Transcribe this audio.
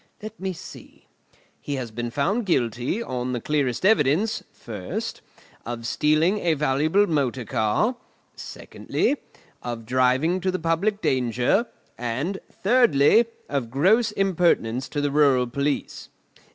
Let me see: he has been found guilty, on the clearest evidence, first, of stealing a valuable motor car; secondly, of driving to the public danger; and, thirdly, of gross impertinence to the rural police.